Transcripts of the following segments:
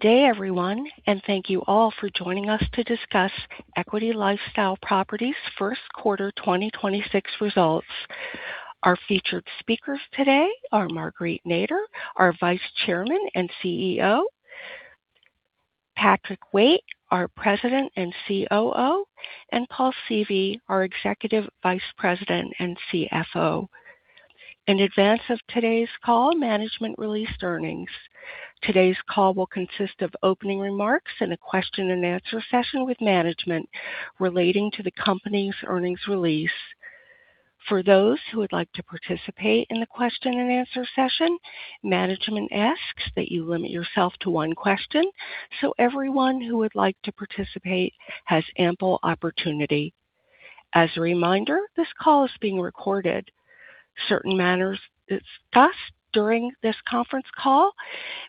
Good day everyone, and thank you all for joining us to discuss Equity LifeStyle Properties' first quarter 2026 results. Our featured speakers today are Marguerite Nader, our Vice Chairman and CEO, Patrick Waite, our President and COO, and Paul Seavey, our Executive Vice President and CFO. In advance of today's call, management released earnings. Today's call will consist of opening remarks and a question and answer session with management relating to the company's earnings release. For those who would like to participate in the question and answer session, management asks that you limit yourself to one question so everyone who would like to participate has ample opportunity. As a reminder, this call is being recorded. Certain matters discussed during this conference call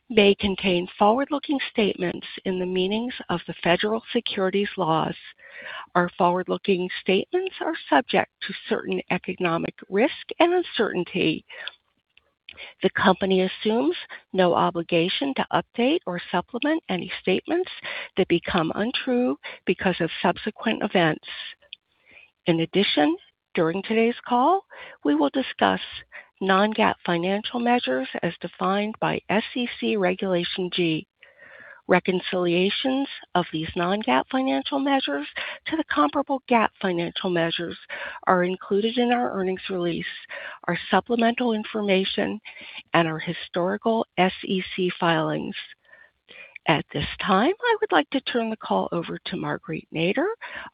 may contain forward-looking statements within the meaning of the federal securities laws. Our forward-looking statements are subject to certain economic risks and uncertainties. The company assumes no obligation to update or supplement any statements that become untrue because of subsequent events. In addition, during today's call, we will discuss non-GAAP financial measures as defined by SEC Regulation G. Reconciliations of these non-GAAP financial measures to the comparable GAAP financial measures are included in our earnings release, our supplemental information, and our historical SEC filings. At this time, I would like to turn the call over to Marguerite Nader,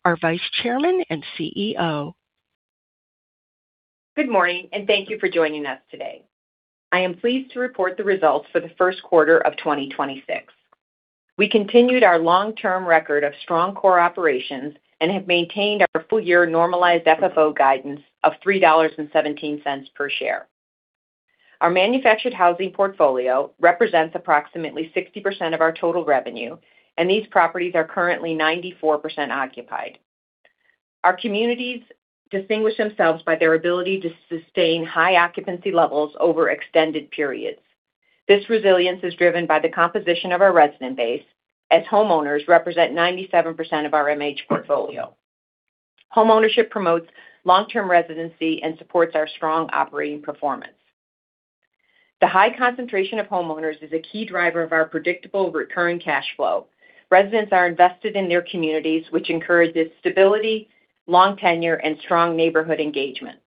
our Vice Chairman and CEO. Good morning, and thank you for joining us today. I am pleased to report the results for the first quarter of 2026. We continued our long-term record of strong core operations and have maintained our full year normalized FFO guidance of $3.17 per share. Our manufactured housing portfolio represents approximately 60% of our total revenue, and these properties are currently 94% occupied. Our communities distinguish themselves by their ability to sustain high occupancy levels over extended periods. This resilience is driven by the composition of our resident base, as homeowners represent 97% of our MH portfolio. Homeownership promotes long-term residency and supports our strong operating performance. The high concentration of homeowners is a key driver of our predictable recurring cash flow. Residents are invested in their communities, which encourages stability, long tenure, and strong neighborhood engagement.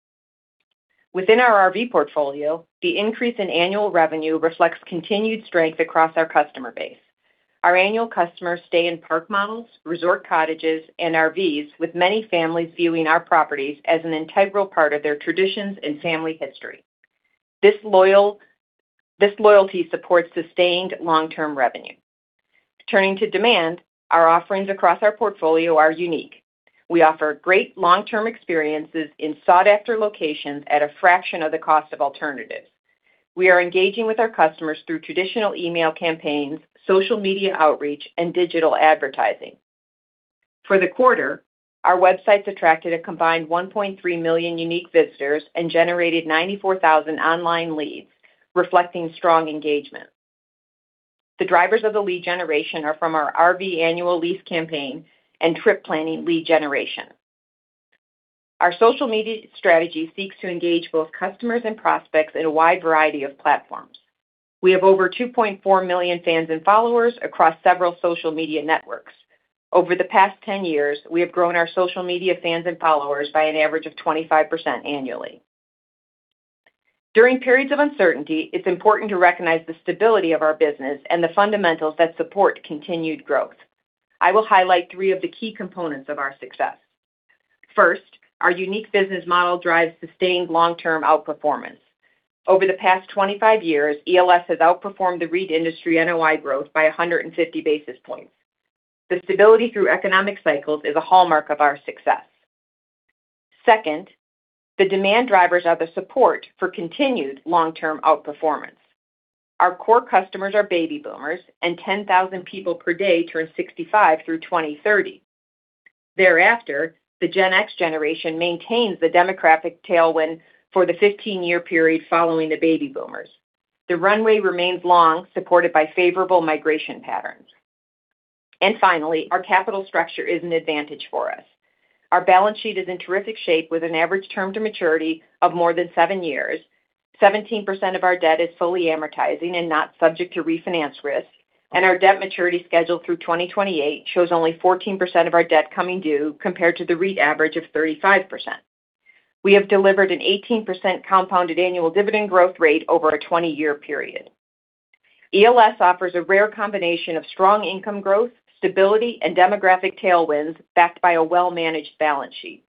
Within our RV portfolio, the increase in annual revenue reflects continued strength across our customer base. Our annual customers stay in park models, resort cottages, and RVs, with many families viewing our properties as an integral part of their traditions and family history. This loyalty supports sustained long-term revenue. Turning to demand, our offerings across our portfolio are unique. We offer great long-term experiences in sought-after locations at a fraction of the cost of alternatives. We are engaging with our customers through traditional email campaigns, social media outreach, and digital advertising. For the quarter, our websites attracted a combined 1.3 million unique visitors and generated 94,000 online leads, reflecting strong engagement. The drivers of the lead generation are from our RV annual lease campaign and trip planning lead generation. Our social media strategy seeks to engage both customers and prospects in a wide variety of platforms. We have over 2.4 million fans and followers across several social media networks. Over the past 10 years, we have grown our social media fans and followers by an average of 25% annually. During periods of uncertainty, it's important to recognize the stability of our business and the fundamentals that support continued growth. I will highlight three of the key components of our success. First, our unique business model drives sustained long-term outperformance. Over the past 25 years, ELS has outperformed the REIT industry NOI growth by 150 basis points. The stability through economic cycles is a hallmark of our success. Second, the demand drivers are the support for continued long-term outperformance. Our core customers are baby boomers, and 10,000 people per day turn 65 through 2030. Thereafter, the Gen X generation maintains the demographic tailwind for the 15-year period following the baby boomers. The runway remains long, supported by favorable migration patterns. Finally, our capital structure is an advantage for us. Our balance sheet is in terrific shape with an average term to maturity of more than 7 years. 17% of our debt is fully amortizing and not subject to refinance risk. Our debt maturity schedule through 2028 shows only 14% of our debt coming due, compared to the REIT average of 35%. We have delivered an 18% compounded annual dividend growth rate over a 20-year period. ELS offers a rare combination of strong income growth, stability, and demographic tailwinds backed by a well-managed balance sheet.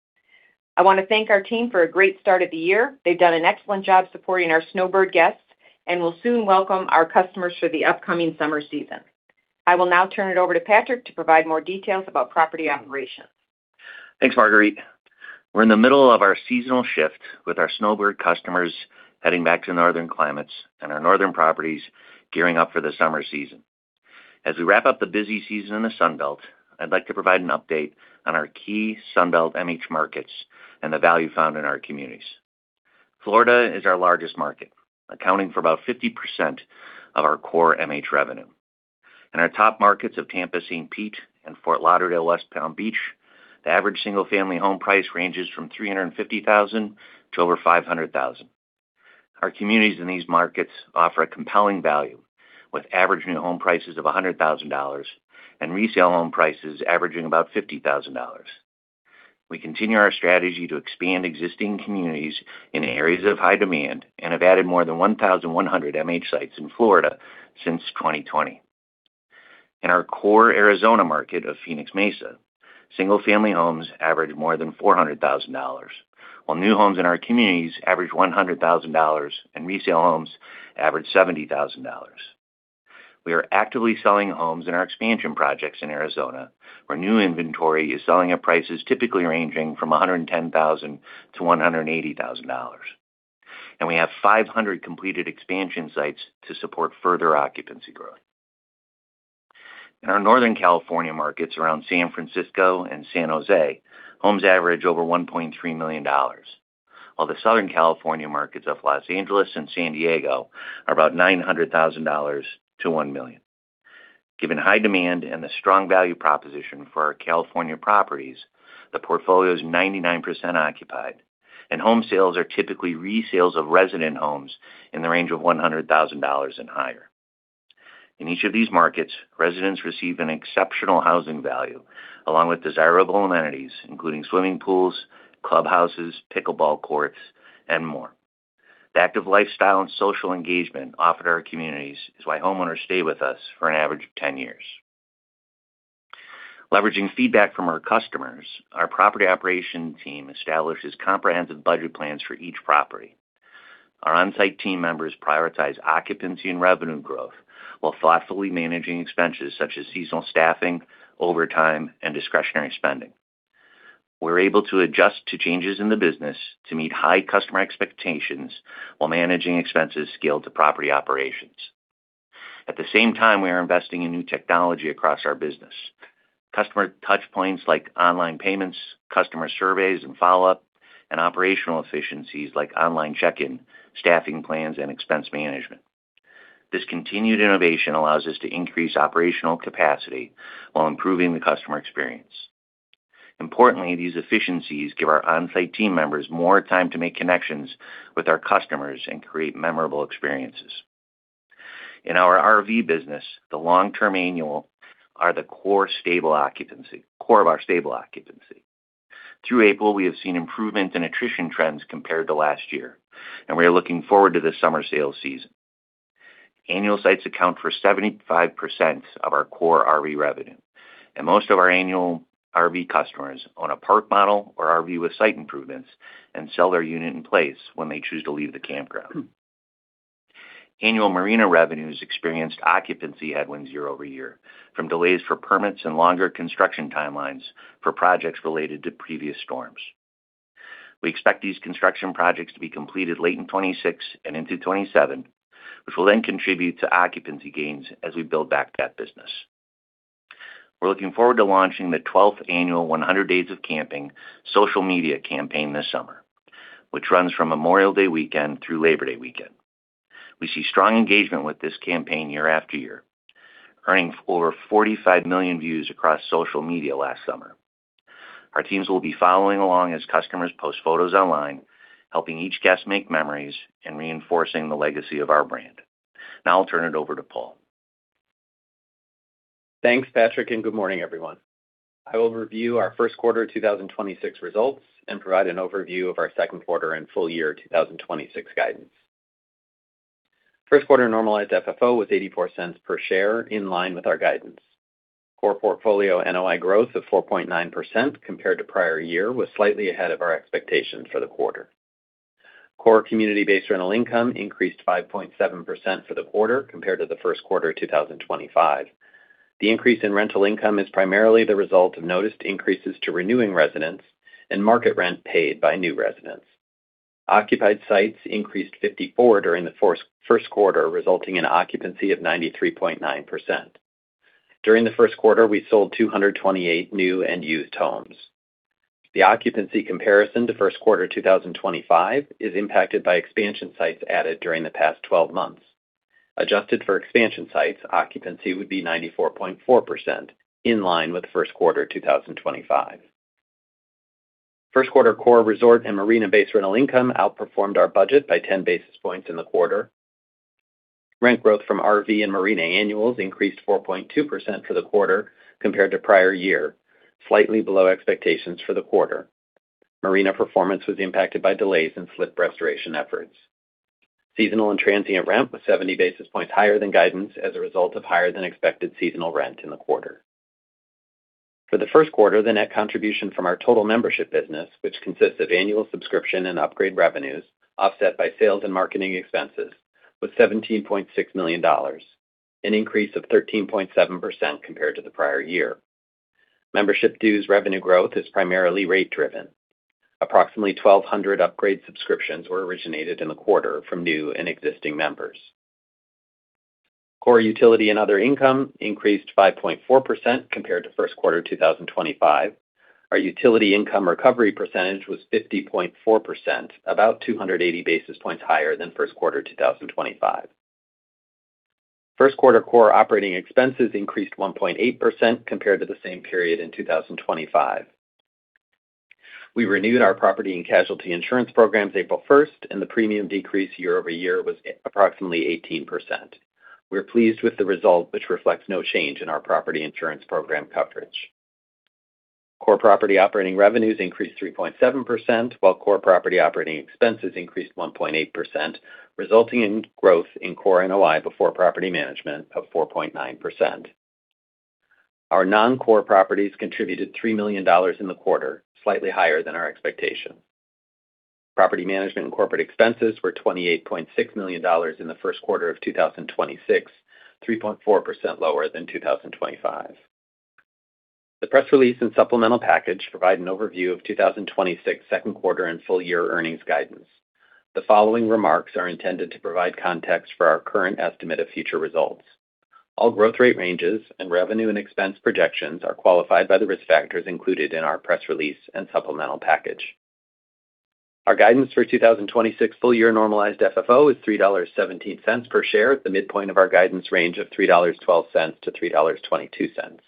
I want to thank our team for a great start of the year. They've done an excellent job supporting our snowbird guests and will soon welcome our customers for the upcoming summer season. I will now turn it over to Patrick to provide more details about property operations. Thanks, Marguerite. We're in the middle of our seasonal shift with our snowbird customers heading back to northern climates and our northern properties gearing up for the summer season. As we wrap up the busy season in the Sun Belt, I'd like to provide an update on our key Sun Belt MH markets and the value found in our communities. Florida is our largest market, accounting for about 50% of our core MH revenue. In our top markets of Tampa, St. Pete, and Fort Lauderdale, West Palm Beach, the average single-family home price ranges from $350,000 to over $500,000. Our communities in these markets offer a compelling value, with average new home prices of $100,000 and resale home prices averaging about $50,000. We continue our strategy to expand existing communities in areas of high demand and have added more than 1,100 MH sites in Florida since 2020. In our core Arizona market of Phoenix, Mesa, single-family homes average more than $400,000, while new homes in our communities average $100,000, and resale homes average $70,000. We are actively selling homes in our expansion projects in Arizona, where new inventory is selling at prices typically ranging from $110,000-$180,000. We have 500 completed expansion sites to support further occupancy growth. In our Northern California markets around San Francisco and San Jose, homes average over $1.3 million, while the Southern California markets of Los Angeles and San Diego are about $900,000-$1 million. Given high demand and the strong value proposition for our California properties, the portfolio is 99% occupied, and home sales are typically resales of resident homes in the range of $100,000 and higher. In each of these markets, residents receive an exceptional housing value, along with desirable amenities, including swimming pools, clubhouses, pickleball courts, and more. The active lifestyle and social engagement offered at our communities is why homeowners stay with us for an average of 10 years. Leveraging feedback from our customers, our property operation team establishes comprehensive budget plans for each property. Our on-site team members prioritize occupancy and revenue growth while thoughtfully managing expenses such as seasonal staffing, overtime, and discretionary spending. We're able to adjust to changes in the business to meet high customer expectations while managing expenses scaled to property operations. At the same time, we are investing in new technology across our business, customer touch points like online payments, customer surveys and follow-up, and operational efficiencies like online check-in, staffing plans, and expense management. This continued innovation allows us to increase operational capacity while improving the customer experience. Importantly, these efficiencies give our on-site team members more time to make connections with our customers and create memorable experiences. In our RV business, the long-term annuals are the core of our stable occupancy. Through April, we have seen improvements in attrition trends compared to last year, and we are looking forward to the summer sales season. Annual sites account for 75% of our core RV revenue, and most of our annual RV customers own a park model or RV with site improvements and sell their unit in place when they choose to leave the campground. Annual marina revenues experienced occupancy headwinds year-over-year from delays for permits and longer construction timelines for projects related to previous storms. We expect these construction projects to be completed late in 2026 and into 2027, which will then contribute to occupancy gains as we build back that business. We're looking forward to launching the 12th annual 100 Days of Camping social media campaign this summer, which runs from Memorial Day weekend through Labor Day weekend. We see strong engagement with this campaign year after year, earning over 45 million views across social media last summer. Our teams will be following along as customers post photos online, helping each guest make memories and reinforcing the legacy of our brand. Now I'll turn it over to Paul. Thanks, Patrick, and good morning, everyone. I will review our first quarter 2026 results and provide an overview of our second quarter and full year 2026 guidance. First quarter normalized FFO was $0.84 per share, in line with our guidance. Core portfolio NOI growth of 4.9% compared to prior year was slightly ahead of our expectations for the quarter. Core community-based rental income increased 5.7% for the quarter compared to the first quarter 2025. The increase in rental income is primarily the result of noted increases to renewing residents and market rent paid by new residents. Occupied sites increased 54 during the first quarter, resulting in occupancy of 93.9%. During the first quarter, we sold 228 new and used homes. The occupancy comparison to first quarter 2025 is impacted by expansion sites added during the past 12 months. Adjusted for expansion sites, occupancy would be 94.4%, in line with first quarter 2025. First quarter core resort and marina-based rental income outperformed our budget by 10 basis points in the quarter. Rent growth from RV and marina annuals increased 4.2% for the quarter compared to prior year, slightly below expectations for the quarter. Marina performance was impacted by delays in slip restoration efforts. Seasonal and transient rent was 70 basis points higher than guidance as a result of higher-than-expected seasonal rent in the quarter. For the first quarter, the net contribution from our total membership business, which consists of annual subscription and upgrade revenues offset by sales and marketing expenses, was $17.6 million, an increase of 13.7% compared to the prior year. Membership dues revenue growth is primarily rate-driven. Approximately 1,200 upgrade subscriptions were originated in the quarter from new and existing members. Core utility and other income increased by 0.4% compared to first quarter 2025. Our utility income recovery percentage was 50.4%, about 280 basis points higher than first quarter 2025. First quarter core operating expenses increased 1.8% compared to the same period in 2025. We renewed our property and casualty insurance programs April 1st, and the premium decrease year-over-year was approximately 18%. We're pleased with the result, which reflects no change in our property insurance program coverage. Core property operating revenues increased 3.7%, while core property operating expenses increased 1.8%, resulting in growth in core NOI before property management of 4.9%. Our non-core properties contributed $3 million in the quarter, slightly higher than our expectation. Property management and corporate expenses were $28.6 million in the first quarter of 2026, 3.4% lower than 2025. The press release and supplemental package provide an overview of 2026 second quarter and full year earnings guidance. The following remarks are intended to provide context for our current estimate of future results. All growth rate ranges and revenue and expense projections are qualified by the risk factors included in our press release and supplemental package. Our guidance for 2026 full year normalized FFO is $3.17 per share at the midpoint of our guidance range of $3.12-$3.22.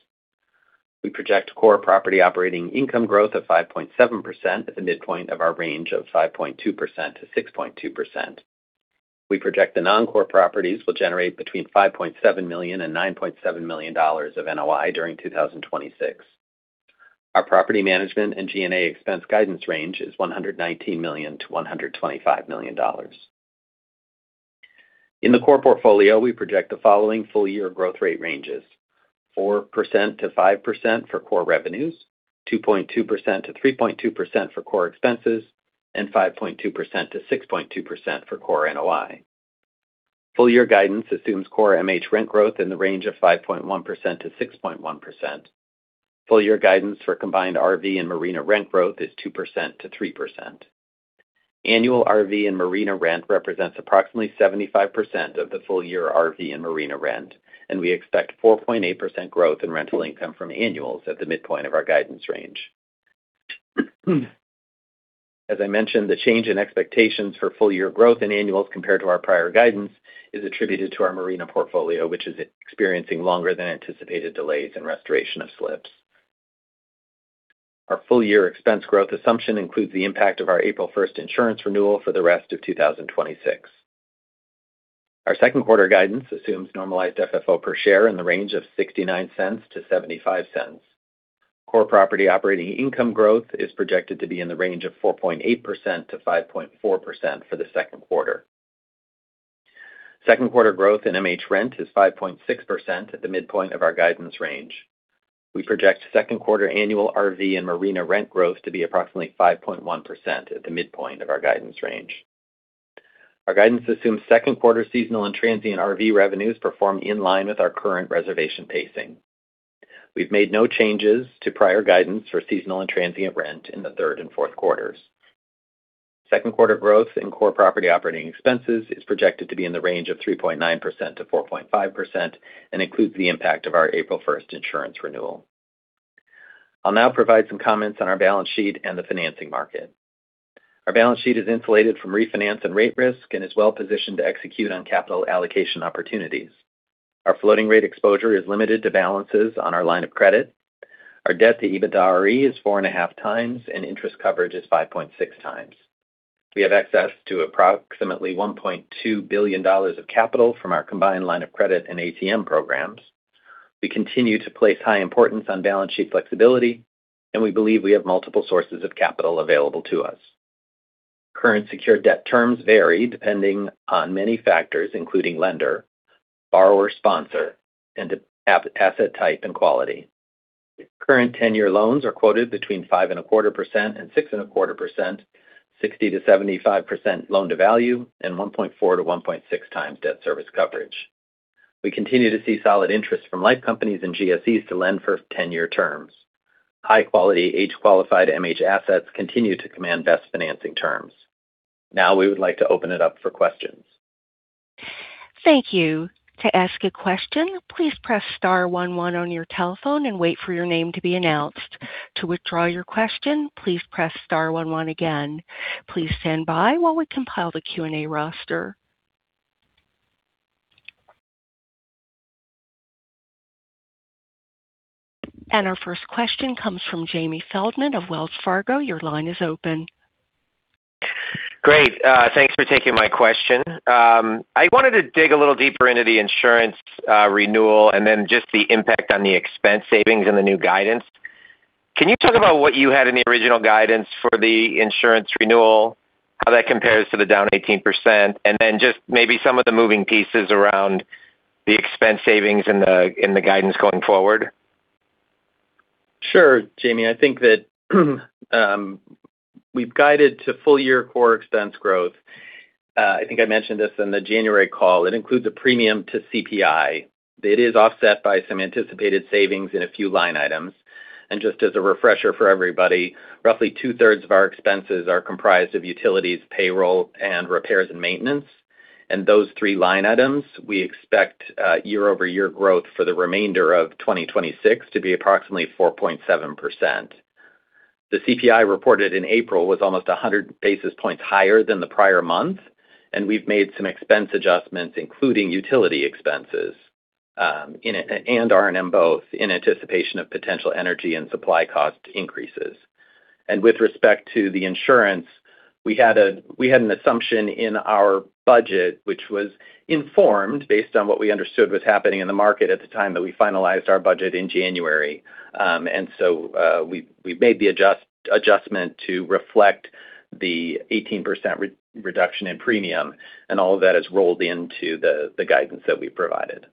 We project core property operating income growth of 5.7% at the midpoint of our range of 5.2%-6.2%. We project the non-core properties will generate between $5.7 million and $9.7 million of NOI during 2026. Our property management and G&A expense guidance range is $119 million-$125 million. In the core portfolio, we project the following full year growth rate ranges: 4%-5% for core revenues, 2.2%-3.2% for core expenses, and 5.2%-6.2% for core NOI. Full year guidance assumes core MH rent growth in the range of 5.1%-6.1%. Full year guidance for combined RV and marina rent growth is 2%-3%. Annual RV and marina rent represents approximately 75% of the full year RV and marina rent, and we expect 4.8% growth in rental income from annuals at the midpoint of our guidance range. As I mentioned, the change in expectations for full year growth in annuals compared to our prior guidance is attributed to our marina portfolio, which is experiencing longer than anticipated delays in restoration of slips. Our full year expense growth assumption includes the impact of our April 1st insurance renewal for the rest of 2026. Our second quarter guidance assumes normalized FFO per share in the range of $0.69-$0.75. Core property operating income growth is projected to be in the range of 4.8%-5.4% for the second quarter. Second quarter growth in MH rent is 5.6% at the midpoint of our guidance range. We project second quarter annual RV and marina rent growth to be approximately 5.1% at the midpoint of our guidance range. Our guidance assumes second quarter seasonal and transient RV revenues perform in line with our current reservation pacing. We've made no changes to prior guidance for seasonal and transient rent in the third and fourth quarters. Second quarter growth in core property operating expenses is projected to be in the range of 3.9%-4.5% and includes the impact of our April first insurance renewal. I'll now provide some comments on our balance sheet and the financing market. Our balance sheet is insulated from refinance and rate risk and is well positioned to execute on capital allocation opportunities. Our floating rate exposure is limited to balances on our line of credit. Our debt to EBITDAre is 4.5x, and interest coverage is 5.6x. We have access to approximately $1.2 billion of capital from our combined line of credit and ATM programs. We continue to place high importance on balance sheet flexibility, and we believe we have multiple sources of capital available to us. Current secured debt terms vary depending on many factors, including lender, borrower sponsor, and asset type and quality. Current ten-year loans are quoted between 5.25% and 6.25%, 60%-75% loan to value, and 1.4x-1.6x debt service coverage. We continue to see solid interest from life companies and GSEs to lend for ten-year terms. High quality, age-qualified MH assets continue to command best financing terms. Now we would like to open it up for questions. Thank you to ask a question please press star one one on your telephone and wait for your name to be announced. To withdraw your question please press star one one again. Please stand by while we combine the Q&A roster. Our first question comes from Jamie Feldman of Wells Fargo. Your line is open. Great. Thanks for taking my question. I wanted to dig a little deeper into the insurance renewal and then just the impact on the expense savings and the new guidance. Can you talk about what you had in the original guidance for the insurance renewal, how that compares to the down 18%, and then just maybe some of the moving pieces around the expense savings and the guidance going forward? Sure, Jamie. I think that we've guided to full year core expense growth. I think I mentioned this in the January call. It includes a premium to CPI. It is offset by some anticipated savings in a few line items. Just as a refresher for everybody, roughly two-thirds of our expenses are comprised of utilities, payroll, and repairs and maintenance. Those three line items, we expect year-over-year growth for the remainder of 2026 to be approximately 4.7%. The CPI reported in April was almost 100 basis points higher than the prior month, and we've made some expense adjustments, including utility expenses, and R&M both, in anticipation of potential energy and supply cost increases. With respect to the insurance, we had an assumption in our budget, which was informed based on what we understood was happening in the market at the time that we finalized our budget in January. We made the adjustment to reflect the 18% reduction in premium, and all of that is rolled into the guidance that we provided.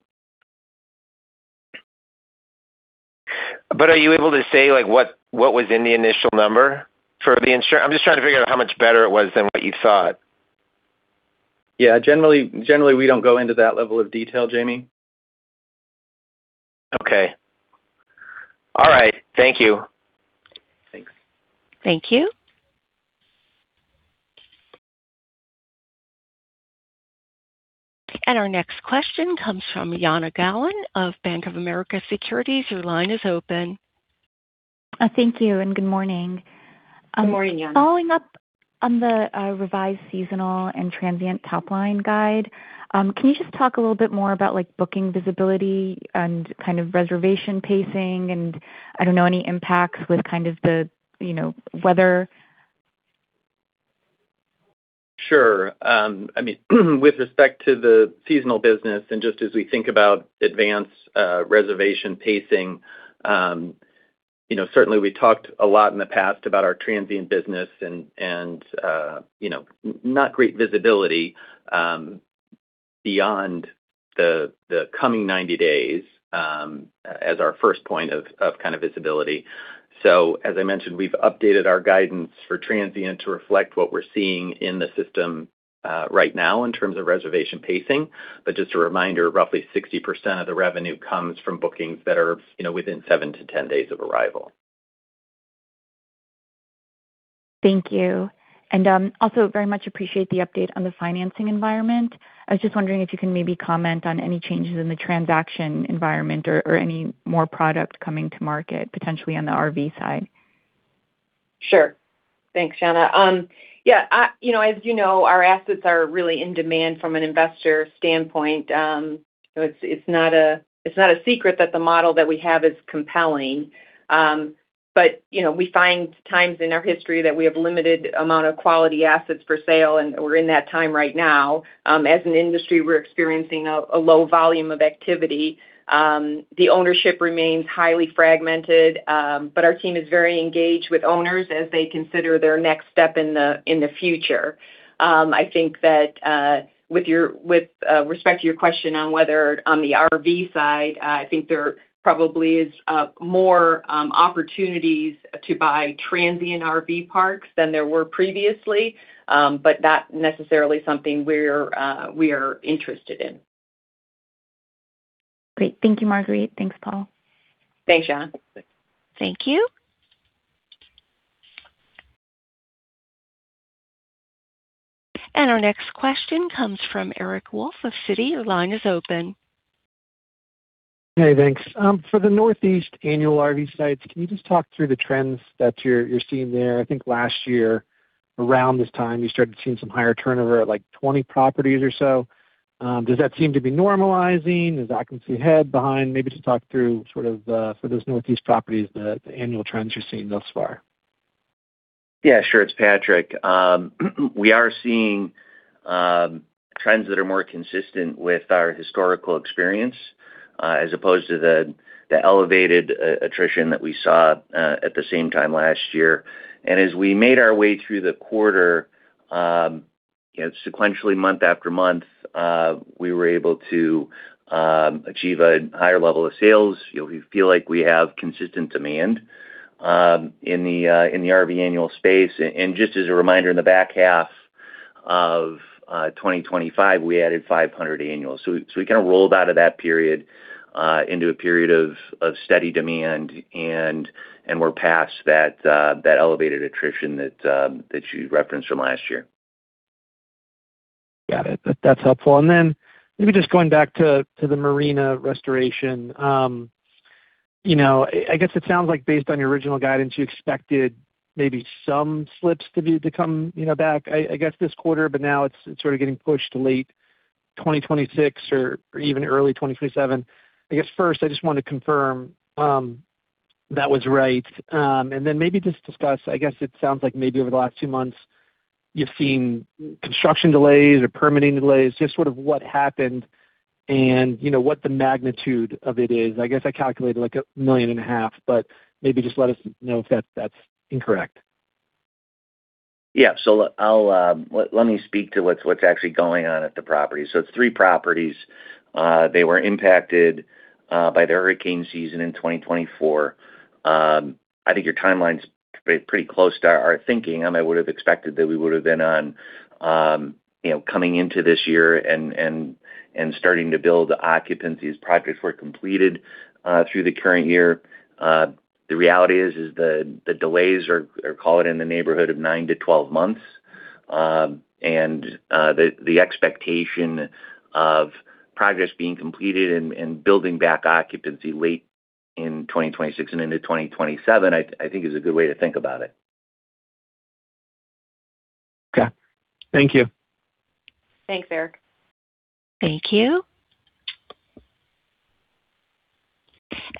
Are you able to say what was in the initial number for the insurance? I'm just trying to figure out how much better it was than what you thought. Yeah. Generally, we don't go into that level of detail, Jamie. Okay. All right. Thank you. Thanks. Thank you. Our next question comes from Jana Galan of Bank of America Securities. Your line is open. Thank you, and good morning. Good morning, Jana. Following up on the revised seasonal and transient top-line guide, can you just talk a little bit more about booking visibility and kind of reservation pacing and, I don't know, any impacts with kind of the weather? Sure. With respect to the seasonal business and just as we think about advance reservation pacing, certainly we talked a lot in the past about our transient business and not great visibility beyond the coming 90 days as our first point of kind of visibility. As I mentioned, we've updated our guidance for transient to reflect what we're seeing in the system right now in terms of reservation pacing. Just a reminder, roughly 60% of the revenue comes from bookings that are within 7-10 days of arrival. Thank you. I also very much appreciate the update on the financing environment. I was just wondering if you can maybe comment on any changes in the transaction environment or any more product coming to market potentially on the RV side. Sure. Thanks, Jana. Yeah. As you know, our assets are really in demand from an investor standpoint. It's not a secret that the model that we have is compelling. We find times in our history that we have limited amount of quality assets for sale, and we're in that time right now. As an industry, we're experiencing a low volume of activity. The ownership remains highly fragmented, but our team is very engaged with owners as they consider their next step in the future. I think that with respect to your question on whether on the RV side, I think there probably is more opportunities to buy transient RV parks than there were previously. Not necessarily something we are interested in. Great. Thank you, Marguerite. Thanks, Paul. Thanks, Jana. Thank you. Our next question comes from Eric Wolfe of Citi. Your line is open. Hey, thanks. For the Northeast annual RV sites, can you just talk through the trends that you're seeing there? I think last year, around this time, you started seeing some higher turnover at 20 properties or so. Does that seem to be normalizing? Is occupancy ahead, behind? Maybe just talk through sort of, for those Northeast properties, the annual trends you're seeing thus far. Yeah, sure. It's Patrick. We are seeing trends that are more consistent with our historical experience, as opposed to the elevated attrition that we saw at the same time last year. As we made our way through the quarter, sequentially month after month, we were able to achieve a higher level of sales. We feel like we have consistent demand in the RV annual space. Just as a reminder, in the back half of 2025, we added 500 annuals. We kind of rolled out of that period into a period of steady demand and we're past that elevated attrition that you referenced from last year. Got it. That's helpful. Maybe just going back to the marina restoration. I guess it sounds like based on your original guidance, you expected maybe some slips to come back, I guess, this quarter, but now it's sort of getting pushed to late 2026 or even early 2027. I guess first, I just wanted to confirm that was right. Maybe just discuss, I guess it sounds like maybe over the last two months, you've seen construction delays or permitting delays, just sort of what happened and what the magnitude of it is. I guess I calculated like $1.5 million, but maybe just let us know if that's incorrect. Yeah. Let me speak to what's actually going on at the property. It's three properties. They were impacted by the hurricane season in 2024. I think your timeline's pretty close to our thinking. I would have expected that we would have been on coming into this year and starting to build occupancies, projects were completed through the current year. The reality is the delays are caught in the neighborhood of 9-12 months, and the expectation of progress being completed and building back occupancy late in 2026 and into 2027. I think is a good way to think about it. Okay. Thank you. Thanks, Eric. Thank you.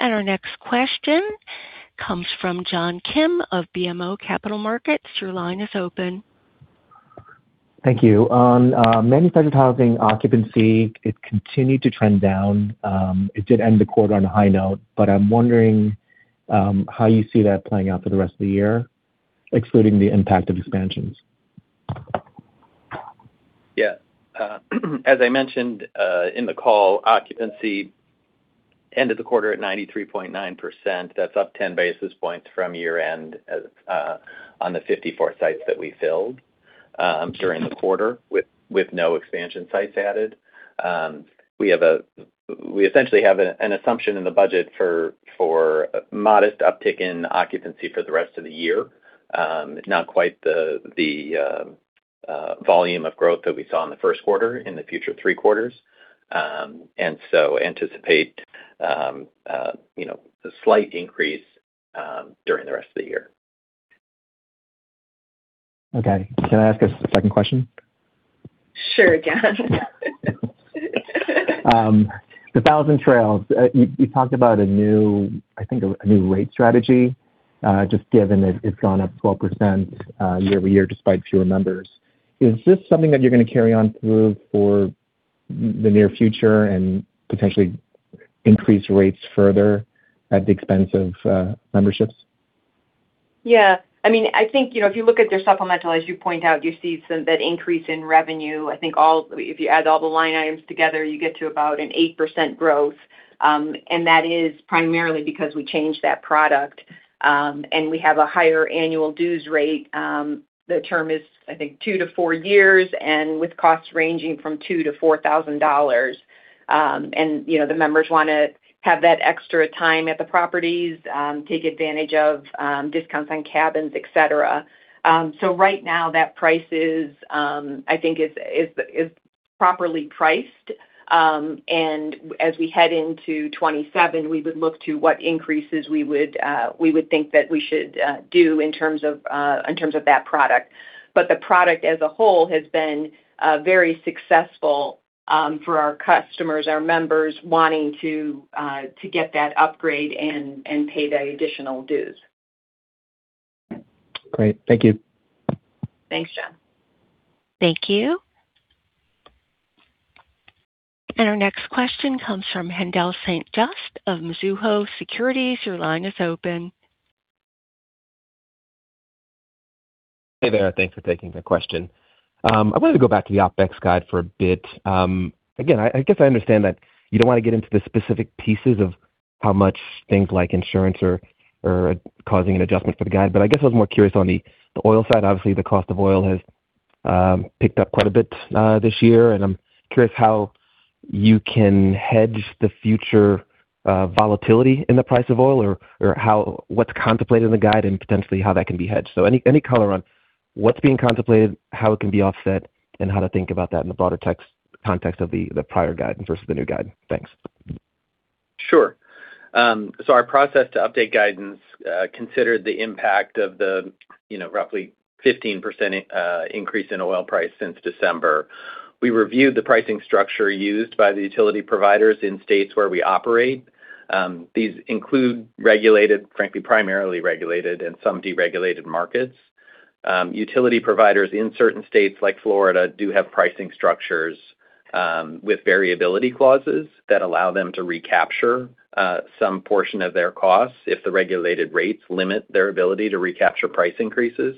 Our next question comes from John Kim of BMO Capital Markets. Your line is open. Thank you. On manufactured housing occupancy, it continued to trend down. It did end the quarter on a high note, but I'm wondering, how you see that playing out for the rest of the year, excluding the impact of expansions? Yeah. As I mentioned in the call, occupancy ended the quarter at 93.9%. That's up 10 basis points from year-end on the 54 sites that we filled during the quarter with no expansion sites added. We essentially have an assumption in the budget for modest uptick in occupancy for the rest of the year. It's not quite the volume of growth that we saw in the first quarter in the future three quarters. Anticipate the slight increase during the rest of the year. Okay. Can I ask a second question? Sure. The Thousand Trails, you talked about, I think a new rate strategy, just given that it's gone up 12% year-over-year despite fewer numbers. Is this something that you're going to carry on through for the near future and potentially increase rates further at the expense of memberships? Yeah. I think, if you look at their supplemental, as you point out, you see that increase in revenue. I think if you add all the line items together, you get to about an 8% growth. That is primarily because we changed that product, and we have a higher annual dues rate. The term is, I think, two to four years and with costs ranging from $2,000-$4,000. The members want to have that extra time at the properties, take advantage of discounts on cabins, et cetera. Right now that price is, I think, properly priced. As we head into 2027, we would look to what increases we would think that we should do in terms of that product. The product as a whole has been very successful for our customers, our members wanting to get that upgrade and pay the additional dues. Great. Thank you. Thanks, John. Thank you. Our next question comes from Haendel St. Juste of Mizuho Securities. Your line is open. Hey there. Thanks for taking the question. I wanted to go back to the OpEx guide for a bit. Again, I guess I understand that you don't want to get into the specific pieces of how much things like insurance are causing an adjustment for the guide, but I guess I was more curious on the oil side. Obviously, the cost of oil has picked up quite a bit this year, and I'm curious how you can hedge the future volatility in the price of oil or what's contemplated in the guide and potentially how that can be hedged. Any color on what's being contemplated, how it can be offset, and how to think about that in the broader context of the prior guidance versus the new guide. Thanks. Sure. Our process to update guidance considered the impact of the roughly 15% increase in oil price since December. We reviewed the pricing structure used by the utility providers in states where we operate. These include regulated, frankly, primarily regulated and some deregulated markets. Utility providers in certain states like Florida do have pricing structures with variability clauses that allow them to recapture some portion of their costs if the regulated rates limit their ability to recapture price increases.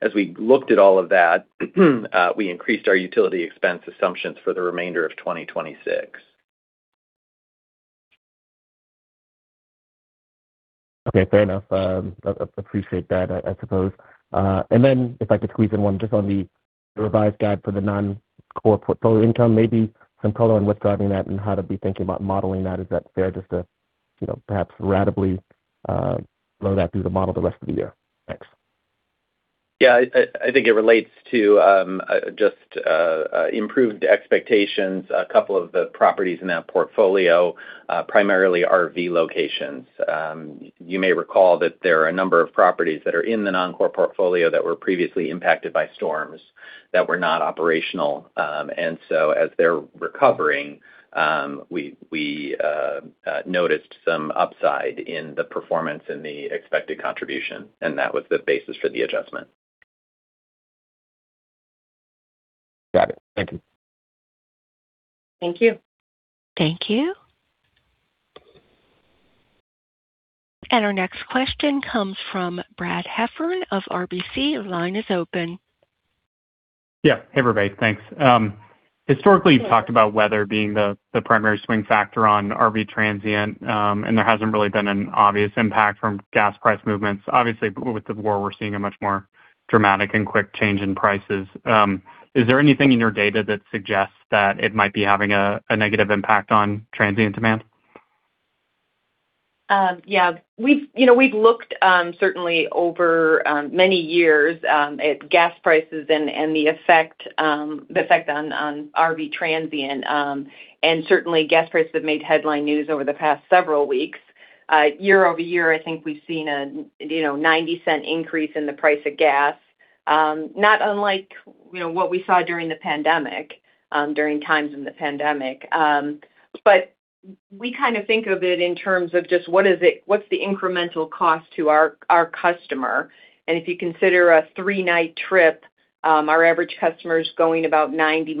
As we looked at all of that we increased our utility expense assumptions for the remainder of 2026. Okay, fair enough. Appreciate that, I suppose. If I could squeeze in one just on the revised guide for the non-core portfolio income, maybe some color on what's driving that and how to be thinking about modeling that. Is that fair just to perhaps ratably load that through the model the rest of the year? Thanks. Yeah, I think it relates to just improved expectations. A couple of the properties in that portfolio, primarily RV locations. You may recall that there are a number of properties that are in the non-core portfolio that were previously impacted by storms that were not operational. as they're recovering, we noticed some upside in the performance and the expected contribution, and that was the basis for the adjustment. Got it. Thank you. Thank you. Thank you. Our next question comes from Brad Heffern of RBC Capital Markets. Your line is open. Yeah. Hey, everybody. Thanks. Historically, you've talked about weather being the primary swing factor on RV transient, and there hasn't really been an obvious impact from gas price movements. Obviously, with the war, we're seeing a much more dramatic and quick change in prices. Is there anything in your data that suggests that it might be having a negative impact on transient demand? Yeah. We've looked, certainly over many years, at gas prices and the effect on RV transient. Certainly, gas prices have made headline news over the past several weeks. Year-over-year, I think we've seen a $0.90 increase in the price of gas, not unlike what we saw during times in the pandemic. We kind of think of it in terms of just what's the incremental cost to our customer. If you consider a three-night trip, our average customer is going about 90 mi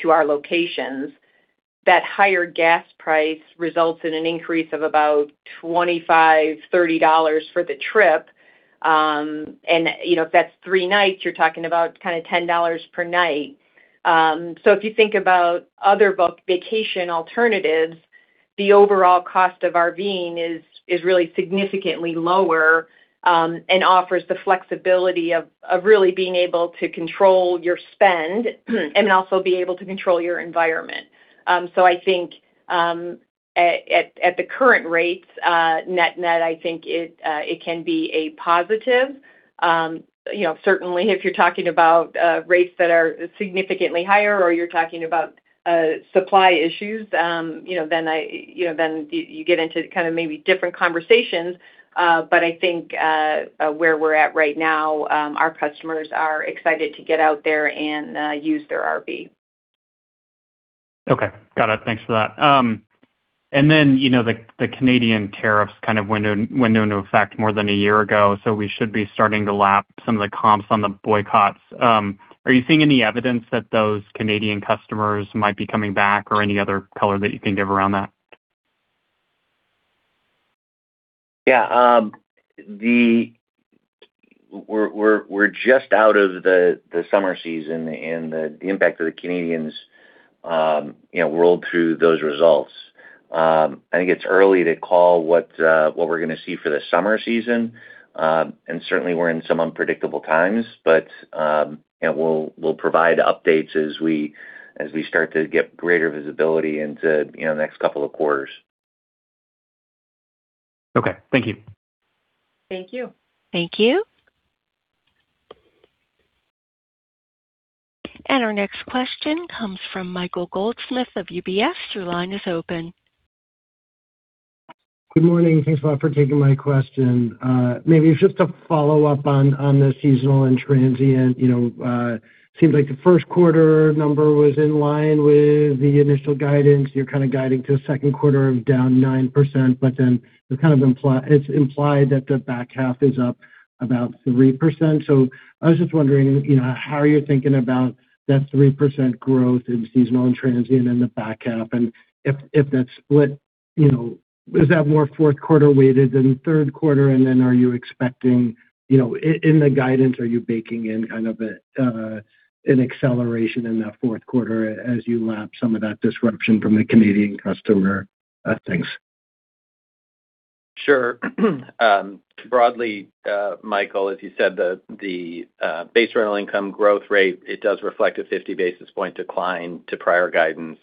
to our locations. That higher gas price results in an increase of about $25, $30 for the trip. If that's three nights, you're talking about $10 per night. If you think about other vacation alternatives, the overall cost of RVing is really significantly lower and offers the flexibility of really being able to control your spend and also be able to control your environment. I think at the current rates, net, I think it can be a positive. Certainly, if you're talking about rates that are significantly higher or you're talking about supply issues, then you get into kind of maybe different conversations. I think where we're at right now, our customers are excited to get out there and use their RV. Okay. Got it. Thanks for that. The Canadian tariffs kind of went into effect more than a year ago, so we should be starting to lap some of the comps on the boycotts. Are you seeing any evidence that those Canadian customers might be coming back or any other color that you can give around that? Yeah. We're just out of the summer season and the impact of the Canadians rolled through those results. I think it's early to call what we're going to see for the summer season, and certainly we're in some unpredictable times. We'll provide updates as we start to get greater visibility into the next couple of quarters. Okay. Thank you. Thank you. Thank you. Our next question comes from Michael Goldsmith of UBS. Your line is open. Good morning. Thanks a lot for taking my question. Maybe just to follow up on the seasonal and transient. Seems like the first quarter number was in line with the initial guidance. You're kind of guiding to the second quarter of down 9%, but then it's implied that the back half is up about 3%. I was just wondering how you're thinking about that 3% growth in seasonal and transient in the back half. If that split, is that more fourth quarter weighted than third quarter? Then in the guidance, are you baking in kind of an acceleration in that fourth quarter as you lap some of that disruption from the Canadian customer? Thanks. Sure. Broadly, Michael, as you said, the base rental income growth rate, it does reflect a 50 basis point decline to prior guidance.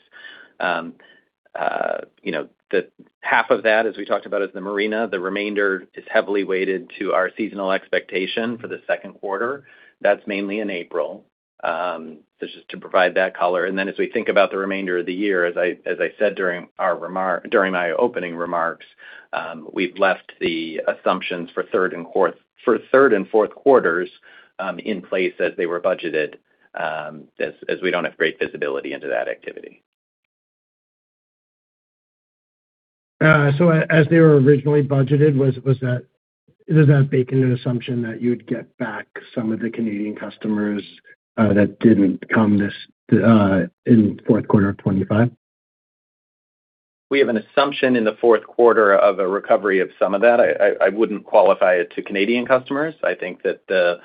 Half of that, as we talked about, is the marina. The remainder is heavily weighted to our seasonal expectation for the second quarter. That's mainly in April. Just to provide that color. As we think about the remainder of the year, as I said during my opening remarks, we've left the assumptions for third and fourth quarters in place as they were budgeted as we don't have great visibility into that activity. As they were originally budgeted, does that bake in an assumption that you'd get back some of the Canadian customers that didn't come in fourth quarter of 2025? We have an assumption in the fourth quarter of a recovery of some of that. I wouldn't qualify it to Canadian customers. I think that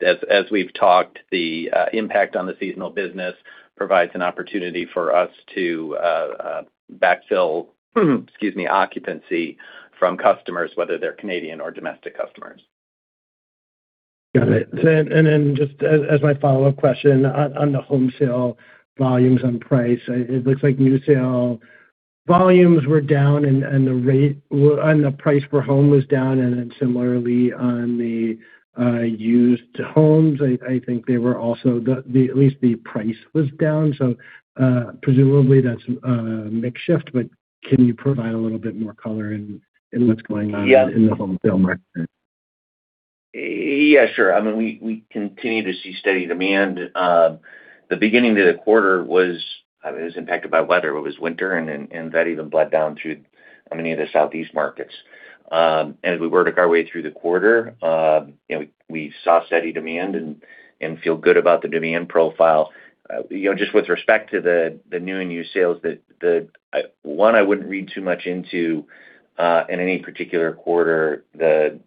as we've talked, the impact on the seasonal business provides an opportunity for us to backfill, excuse me, occupancy from customers, whether they're Canadian or domestic customers. Got it. Then just as my follow-up question on the home sale volumes and price. It looks like new sale volumes were down and the price per home was down, and then similarly on the used homes, I think they were also at least the price was down. Presumably that's a mix shift, but can you provide a little bit more color in what's going on in the home sale market? Yeah, sure. We continue to see steady demand. The beginning of the quarter was impacted by weather. It was winter, and that even bled down through many of the Southeast markets. As we worked our way through the quarter, we saw steady demand and feel good about the demand profile. Just with respect to the new and used sales, one, I wouldn't read too much into, in any particular quarter, the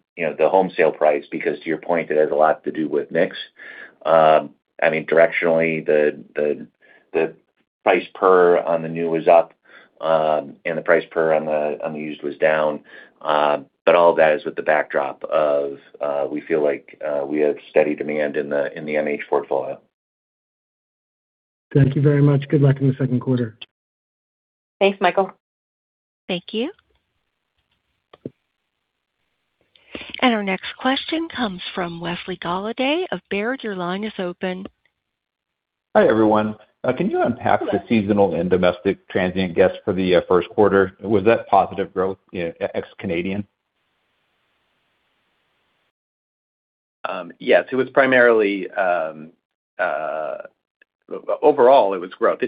home sale price, because to your point, it has a lot to do with mix. Directionally, the price per on the new was up and the price per on the used was down. But all of that is with the backdrop of, we feel like we have steady demand in the MH portfolio. Thank you very much. Good luck in the second quarter. Thanks, Michael. Thank you. Our next question comes from Wesley Golladay of Baird. Your line is open. Hi, everyone. Can you unpack the seasonal and domestic transient guests for the first quarter? Was that positive growth ex-Canadian? Yes. Overall, it was growth.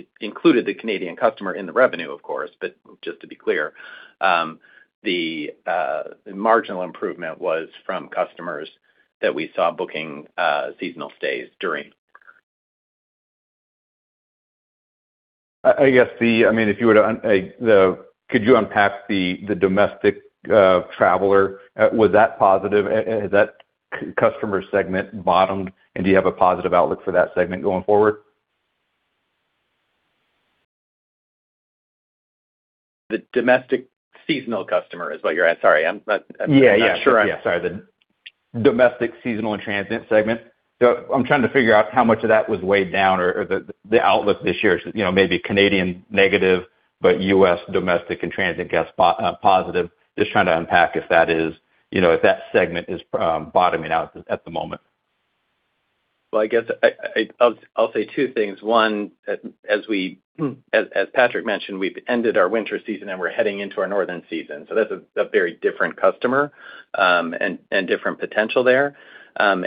It included the Canadian customer in the revenue, of course, but just to be clear, the marginal improvement was from customers that we saw booking seasonal stays during. Could you unpack the domestic traveler? Was that positive? Has that customer segment bottomed, and do you have a positive outlook for that segment going forward? The domestic seasonal customer is what you're asking. Sorry, I'm not sure. Yeah. Sorry. The domestic, seasonal, and transient segment. I'm trying to figure out how much of that was weighed down, or the outlook this year, maybe Canadian negative, but U.S. domestic and transient guests positive. Just trying to unpack if that segment is bottoming out at the moment. Well, I guess I'll say two things. One, as Patrick mentioned, we've ended our winter season and we're heading into our northern season. That's a very different customer and different potential there.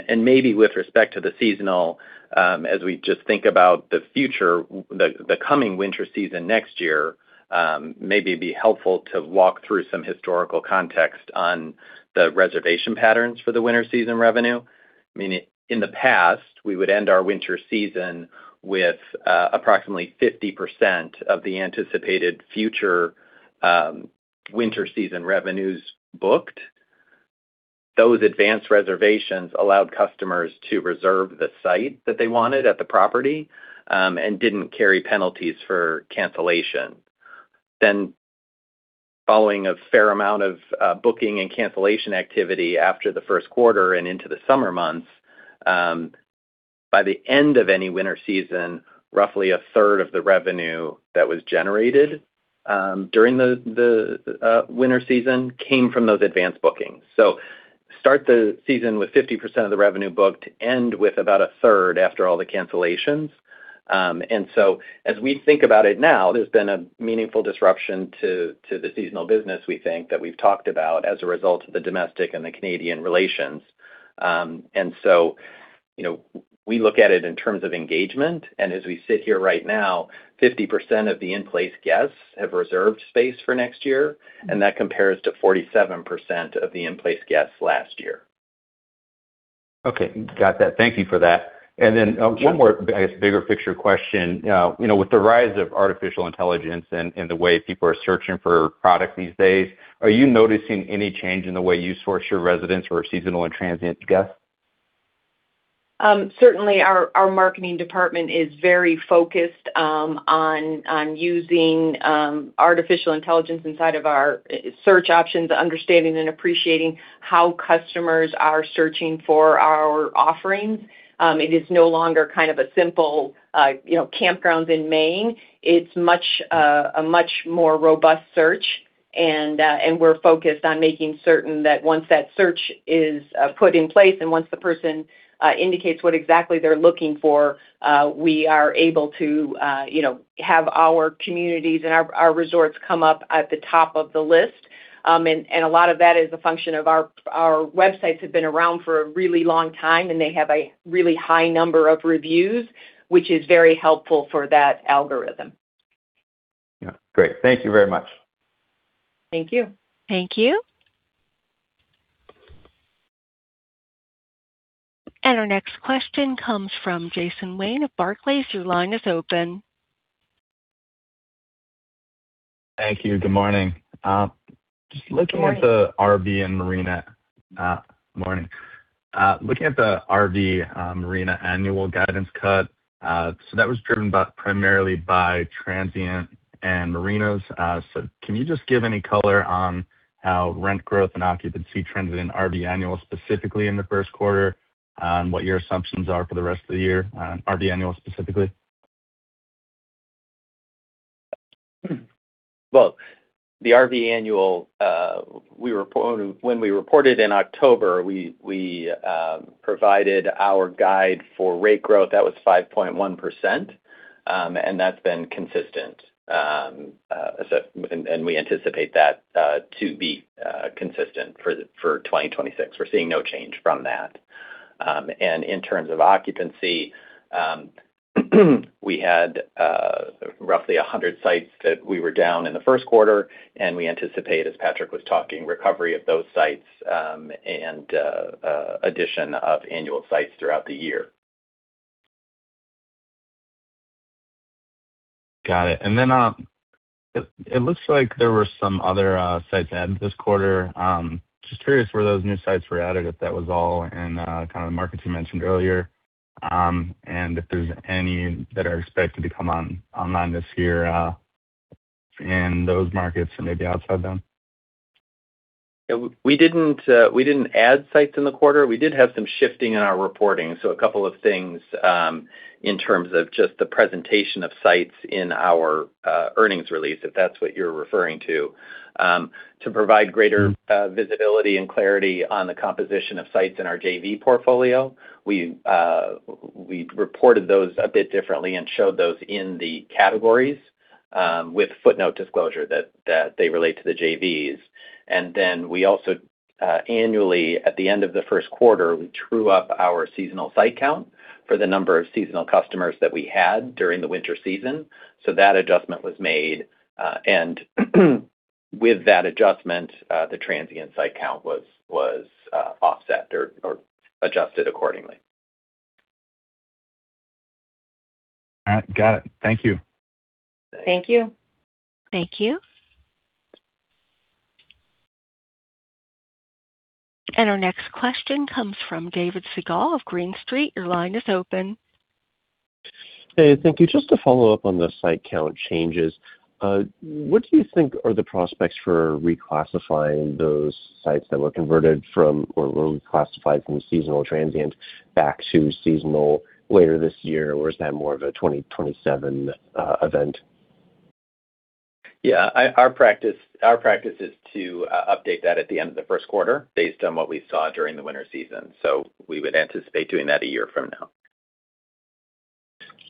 Maybe with respect to the seasonal, as we just think about the future, the coming winter season next year, maybe it'd be helpful to walk through some historical context on the reservation patterns for the winter season revenue. In the past, we would end our winter season with approximately 50% of the anticipated future winter season revenues booked. Those advanced reservations allowed customers to reserve the site that they wanted at the property and didn't carry penalties for cancellation. Following a fair amount of booking and cancellation activity after the first quarter and into the summer months, by the end of any winter season, roughly a third of the revenue that was generated during the winter season came from those advanced bookings. Start the season with 50% of the revenue booked, end with about a third after all the cancellations. As we think about it now, there's been a meaningful disruption to the seasonal business, we think, that we've talked about as a result of the domestic and the Canadian relations. We look at it in terms of engagement, and as we sit here right now, 50% of the in-place guests have reserved space for next year, and that compares to 47% of the in-place guests last year. Okay. Got that. Thank you for that. One more, I guess, bigger picture question. With the rise of artificial intelligence and the way people are searching for product these days, are you noticing any change in the way you source your residents or seasonal and transient guests? Certainly, our marketing department is very focused on using artificial intelligence inside of our search options, understanding and appreciating how customers are searching for our offerings. It is no longer a simple campgrounds in Maine. It's a much more robust search, and we're focused on making certain that once that search is put in place and once the person indicates what exactly they're looking for, we are able to have our communities and our resorts come up at the top of the list. A lot of that is a function of our websites have been around for a really long time, and they have a really high number of reviews, which is very helpful for that algorithm. Yeah. Great. Thank you very much. Thank you. Thank you. Our next question comes from Jason Wayne of Barclays. Your line is open. Thank you. Good morning. Good morning. Looking at the RV and marina annual guidance cut. That was driven primarily by transients and marinas. Can you just give any color on how rent growth and occupancy trends in RV annual, specifically in the first quarter, and what your assumptions are for the rest of the year on RV annual, specifically? Well, the RV annual, when we reported in October, we provided our guide for rate growth, that was 5.1%, and that's been consistent. We anticipate that to be consistent for 2026. We're seeing no change from that. In terms of occupancy, we had roughly 100 sites that we were down in the first quarter, and we anticipate, as Patrick was talking, recovery of those sites and addition of annual sites throughout the year. Got it. It looks like there were some other sites added this quarter. Just curious where those new sites were added, if that was all in the markets you mentioned earlier, and if there's any that are expected to come online this year in those markets and maybe outside them? We didn't add sites in the quarter. We did have some shifting in our reporting, so a couple of things in terms of just the presentation of sites in our earnings release, if that's what you're referring to. To provide greater visibility and clarity on the composition of sites in our JV portfolio, we reported those a bit differently and showed those in the categories with footnote disclosure that they relate to the JVs. We also, annually, at the end of the first quarter, we true up our seasonal site count for the number of seasonal customers that we had during the winter season. That adjustment was made, and with that adjustment, the transient site count was offset or adjusted accordingly. All right. Got it. Thank you. Thank you. Thank you. Our next question comes from David Segall of Green Street. Your line is open. Hey, thank you. Just to follow up on the site count changes, what do you think are the prospects for reclassifying those sites that were converted from, or were reclassified from seasonal transient back to seasonal later this year, or is that more of a 2027 event? Yeah. Our practice is to update that at the end of the first quarter based on what we saw during the winter season. We would anticipate doing that a year from now.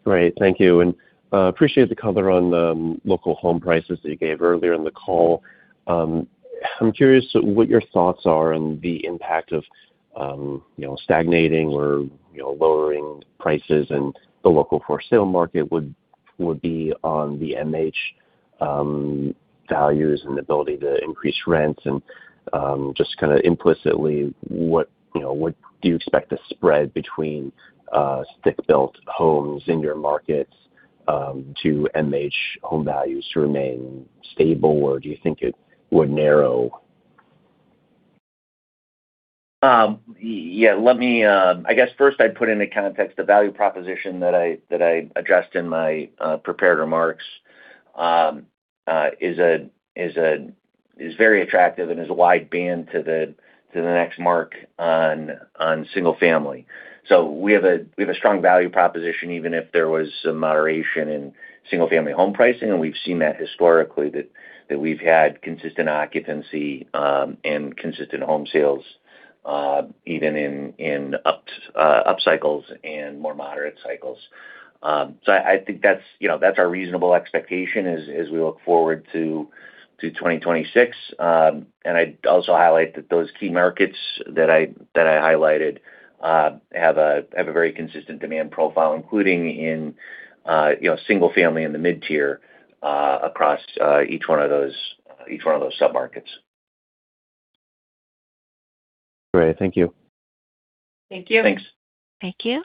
Great. Thank you. Appreciate the color on the local home prices that you gave earlier in the call. I'm curious what your thoughts are on the impact of stagnating or lowering prices in the local for-sale market would be on the MH values and ability to increase rents. Just kind of implicitly, what do you expect the spread between stick-built homes in your markets to MH home values to remain stable, or do you think it would narrow? Yeah. I guess, first I'd put into context the value proposition that I addressed in my prepared remarks is very attractive and is a wide band to the next mark on single family. We have a strong value proposition, even if there was some moderation in single-family home pricing, and we've seen that historically that we've had consistent occupancy and consistent home sales, even in up cycles and more moderate cycles. I think that's our reasonable expectation as we look forward to 2026. I'd also highlight that those key markets that I highlighted have a very consistent demand profile, including in single family in the mid-tier across each one of those sub-markets. Great. Thank you. Thank you. Thanks. Thank you.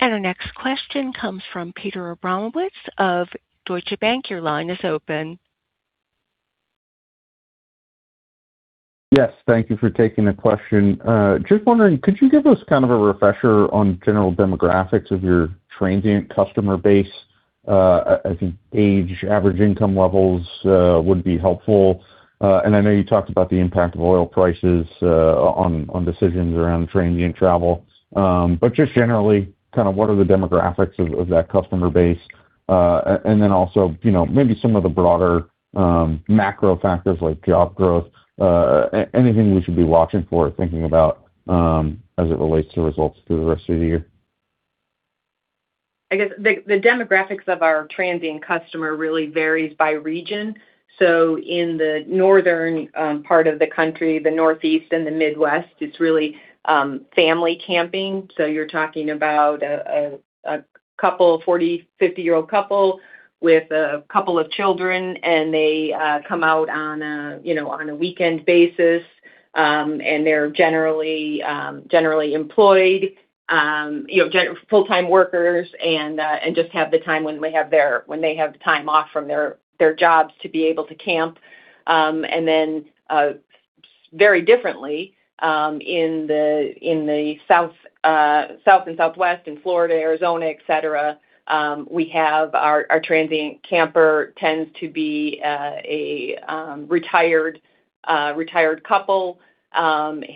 Our next question comes from Peter Abramowitz of Deutsche Bank. Your line is open. Yes. Thank you for taking the question. Just wondering, could you give us kind of a refresher on general demographics of your transient customer base? I think age, average income levels would be helpful. I know you talked about the impact of oil prices on decisions around transient travel. Just generally, what are the demographics of that customer base? Then also, maybe some of the broader macro factors like job growth, anything we should be watching for or thinking about as it relates to results through the rest of the year? I guess the demographics of our transient customer really varies by region. In the northern part of the country, the Northeast and the Midwest, it's really family camping. You're talking about a 40- or 50-year-old couple with a couple of children, and they come out on a weekend basis. They're generally employed, full-time workers, and just have the time when they have time off from their jobs to be able to camp. Then very differently, in the South and Southwest, in Florida, Arizona, et cetera, our transient camper tends to be a retired couple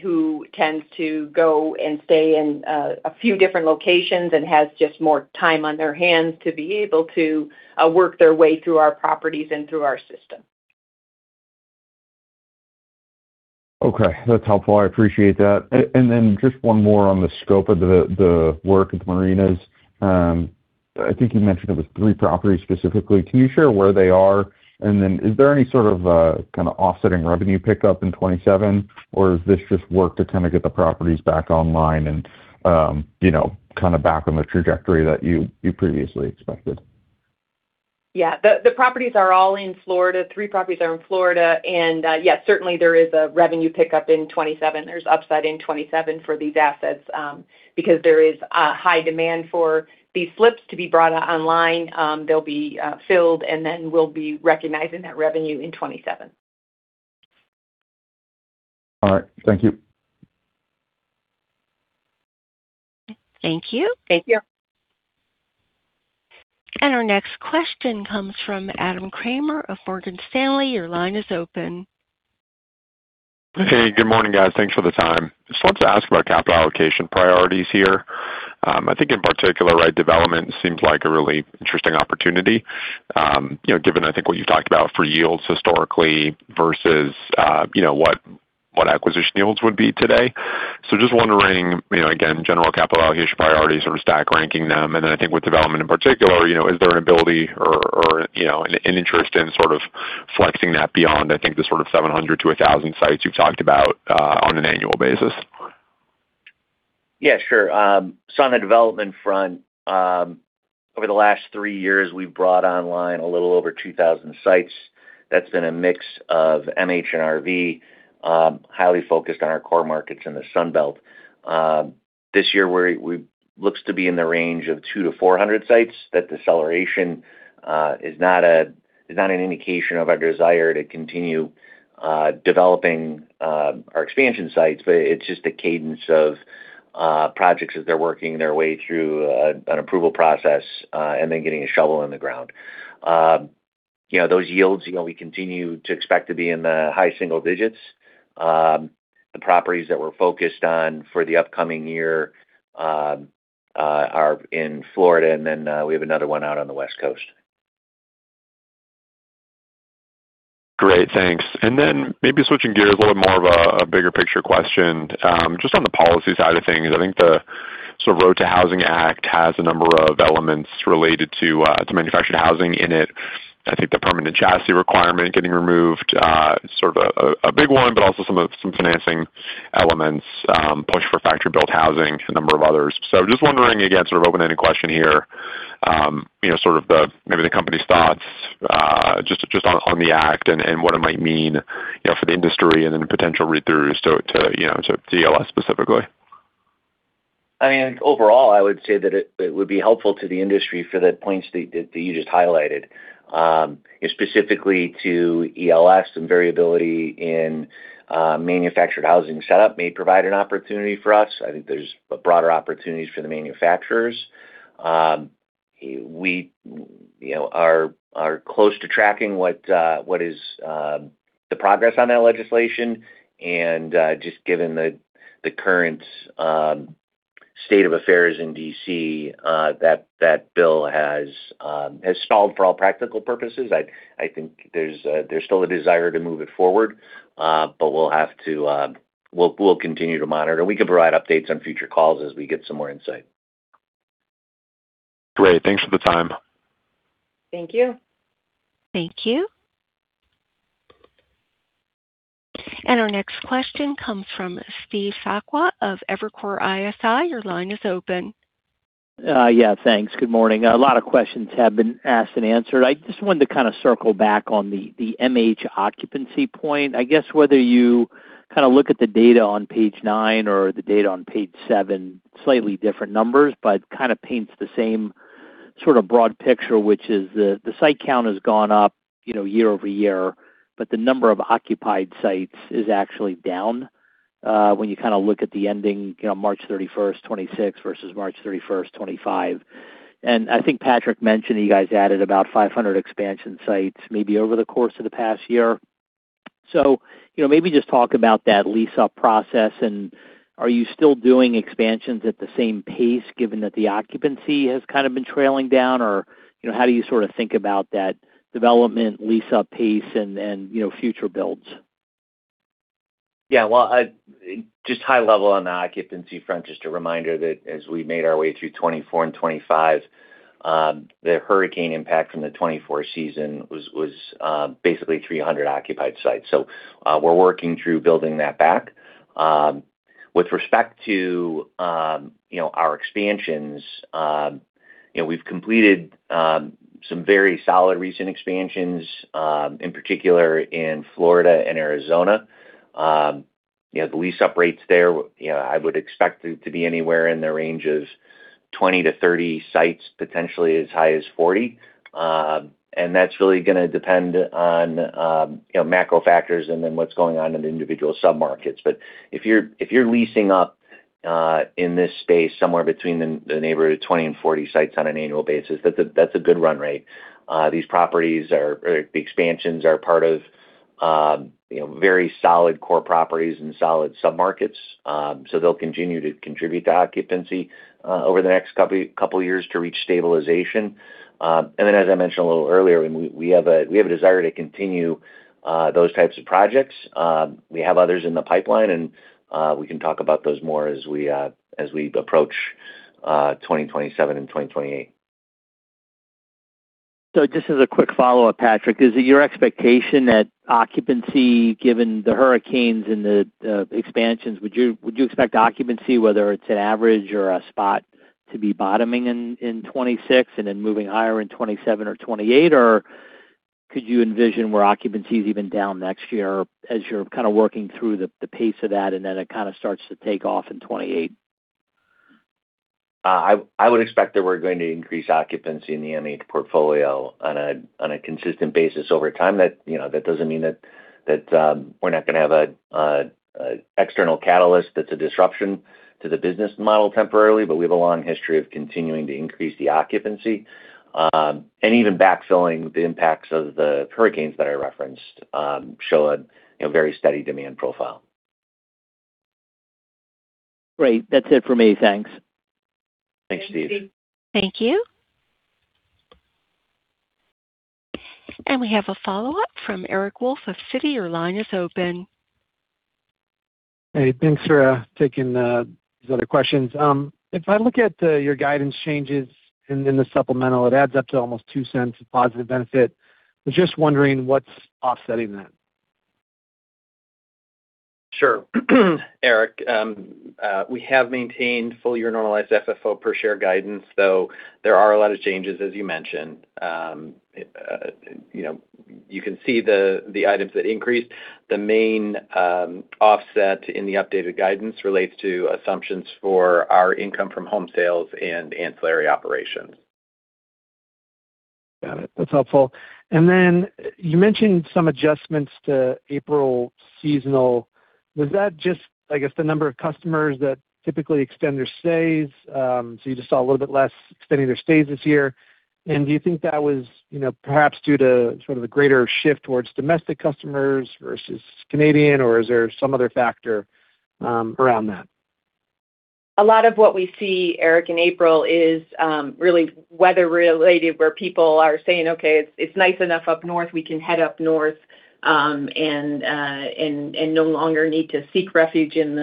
who tends to go and stay in a few different locations and has just more time on their hands to be able to work their way through our properties and through our system. Okay. That's helpful. I appreciate that. Then just one more on the scope of the work of the marinas. I think you mentioned it was three properties specifically. Can you share where they are? Then is there any sort of offsetting revenue pickup in 2027, or is this just work to get the properties back online and back on the trajectory that you previously expected? Yeah. The properties are all in Florida. Three properties are in Florida, and yes, certainly there is a revenue pickup in 2027. There's upside in 2027 for these assets, because there is a high demand for these slips to be brought online. They'll be filled, and then we'll be recognizing that revenue in 2027. All right. Thank you. Thank you. Thank you. Our next question comes from Adam Kramer of Morgan Stanley. Your line is open. Hey, good morning, guys. Thanks for the time. Just wanted to ask about capital allocation priorities here. I think in particular, development seems like a really interesting opportunity, given, I think, what you've talked about for yields historically versus what acquisition yields would be today. Just wondering, again, general capital allocation priorities or stack ranking them, and then I think with development in particular, is there an ability or an interest in sort of flexing that beyond, I think the sort of 700-1,000 sites you've talked about on an annual basis? Yeah, sure. On the development front, over the last three years, we've brought online a little over 2,000 sites. That's been a mix of MH and RV, highly focused on our core markets in the Sun Belt. This year, it looks to be in the range of 200-400 sites. That deceleration is not an indication of our desire to continue developing our expansion sites, but it's just a cadence of projects as they're working their way through an approval process, and then getting a shovel in the ground. Those yields, we continue to expect to be in the high single digits. The properties that we're focused on for the upcoming year are in Florida, and then we have another one out on the West Coast. Great. Thanks. Maybe switching gears, a little more of a bigger picture question. Just on the policy side of things, I think the ROAD to Housing Act has a number of elements related to manufactured housing in it. I think the permanent chassis requirement getting removed is sort of a big one, but also some financing elements, push for factory-built housing, a number of others. Just wondering, again, sort of open-ended question here, maybe the company's thoughts, just on the act and what it might mean for the industry and then potential read-throughs to ELS specifically. I mean, overall, I would say that it would be helpful to the industry for the points that you just highlighted. Specifically to ELS, some variability in manufactured housing setup may provide an opportunity for us. I think there's broader opportunities for the manufacturers. We are closely tracking what is the progress on that legislation, and just given the current state of affairs in D.C., that bill has stalled for all practical purposes. I think there's still a desire to move it forward, but we'll continue to monitor. We can provide updates on future calls as we get some more insight. Great. Thanks for the time. Thank you. Thank you. Our next question comes from Steve Sakwa of Evercore ISI. Your line is open. Yeah, thanks. Good morning. A lot of questions have been asked and answered. I just wanted to kind of circle back on the MH occupancy point. I guess whether you look at the data on page nine or the data on page seven, slightly different numbers, but kind of paints the same sort of broad picture, which is the site count has gone up year-over-year, but the number of occupied sites is actually down when you look at the ending March 31st, 2026 versus March 31st, 2025. I think Patrick mentioned you guys added about 500 expansion sites maybe over the course of the past year. Maybe just talk about that lease-up process, and are you still doing expansions at the same pace given that the occupancy has kind of been trailing down, or how do you sort of think about that development lease-up pace and future builds? Yeah. Well, just high level on the occupancy front, just a reminder that as we made our way through 2024 and 2025, the hurricane impact from the 2024 season was basically 300 occupied sites. We're working through building that back. With respect to our expansions, we've completed some very solid recent expansions, in particular in Florida and Arizona. The lease-up rates there, I would expect to be anywhere in the range of 20-30 sites, potentially as high as 40 sites. That's really going to depend on macro factors and then what's going on in the individual submarkets. If you're leasing up in this space somewhere between the neighborhood of 20-40 sites on an annual basis, that's a good run rate. These expansions are part of very solid core properties and solid submarkets. They'll continue to contribute to occupancy over the next couple of years to reach stabilization. Then, as I mentioned a little earlier, we have a desire to continue those types of projects. We have others in the pipeline, and we can talk about those more as we approach 2027 and 2028. Just as a quick follow-up, Patrick, is it your expectation that occupancy, given the hurricanes and the expansions, would you expect occupancy, whether it's an average or a spot to be bottoming in 2026 and then moving higher in 2027 or 2028? Or could you envision where occupancy is even down next year as you're kind of working through the pace of that and then it kind of starts to take off in 2028? I would expect that we're going to increase occupancy in the MH portfolio on a consistent basis over time. That doesn't mean that we're not going to have an external catalyst that's a disruption to the business model temporarily, but we have a long history of continuing to increase the occupancy, and even backfilling the impacts of the hurricanes that I referenced show a very steady demand profile. Great. That's it from me. Thanks. Thanks, Steve. Thank you. We have a follow-up from Eric Wolfe of Citi. Your line is open. Hey, thanks for taking these other questions. If I look at your guidance changes in the supplemental, it adds up to almost $0.02 of positive benefit. I'm just wondering what's offsetting that. Sure. Eric, we have maintained full-year normalized FFO per share guidance, though there are a lot of changes, as you mentioned. You can see the items that increased. The main offset in the updated guidance relates to assumptions for our income from home sales and ancillary operations. Got it. That's helpful. You mentioned some adjustments to April seasonal. Was that just, I guess, the number of customers that typically extend their stays? You just saw a little bit less extending their stays this year. Do you think that was perhaps due to sort of the greater shift towards domestic customers versus Canadian, or is there some other factor around that? A lot of what we see, Eric, in April is really weather related, where people are saying, okay, it's nice enough up north, we can head up north, and no longer need to seek refuge in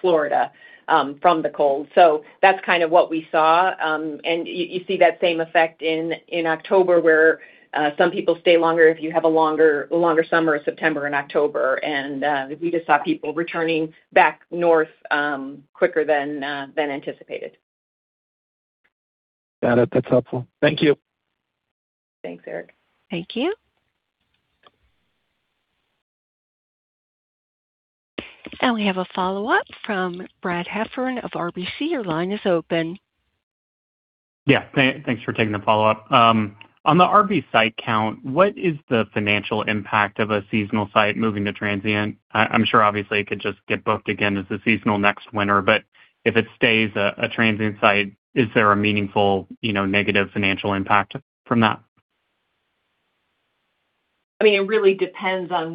Florida from the cold. So that's kind of what we saw. You see that same effect in October, where some people stay longer if you have a longer summer, September and October, and we just saw people returning back north quicker than anticipated. Got it. That's helpful. Thank you. Thanks, Eric. Thank you. We have a follow-up from Brad Heffern of RBC. Your line is open. Yeah. Thanks for taking the follow-up. On the RV site count, what is the financial impact of a seasonal site moving to transient? I'm sure obviously it could just get booked again as a seasonal next winter, but if it stays a transient site, is there a meaningful negative financial impact from that? It really depends on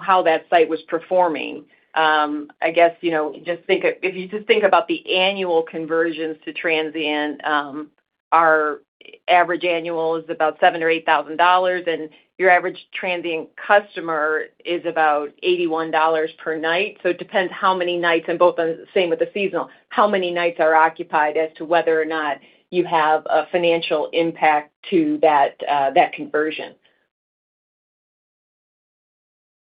how that site was performing. If you just think about the annual conversions to transient, our average annual is about $7,000-$8,000, and your average transient customer is about $81 per night. It depends how many nights, and both the same with the seasonal, how many nights are occupied as to whether or not you have a financial impact to that conversion.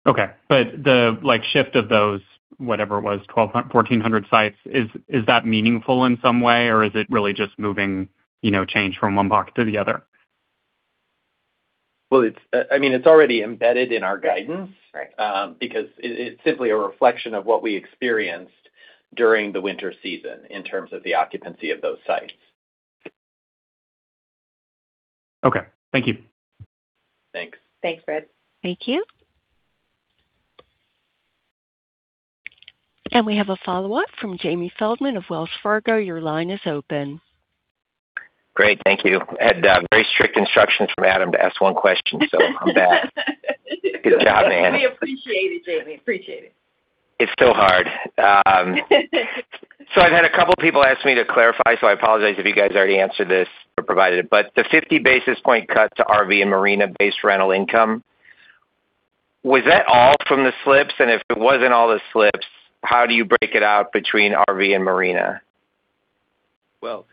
Okay. The shift of those, whatever it was, 1,200-1,400 sites, is that meaningful in some way, or is it really just moving change from one pocket to the other? Well, it's already embedded in our guidance. Right. It's simply a reflection of what we experienced during the winter season in terms of the occupancy of those sites. Okay. Thank you. Thanks. Thanks, Brad. Thank you. We have a follow-up from Jamie Feldman of Wells Fargo. Your line is open. Great. Thank you. I had very strict instructions from Adam to ask one question, so I'm back. Good job, man. We appreciate it, Jamie. Appreciate it. It's still hard. I've had a couple people ask me to clarify, so I apologize if you guys already answered this or provided it, but the 50 basis point cut to RV and marina-based rental income, was that all from the slips? If it wasn't all the slips, how do you break it out between RV and marina? Well,